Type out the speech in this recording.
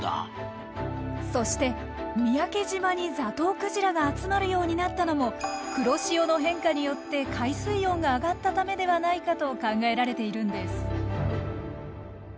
そして三宅島にザトウクジラが集まるようになったのも黒潮の変化によって海水温が上がったためではないかと考えられているんです。